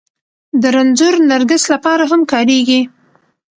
د رنځور نرګس لپاره هم کارېږي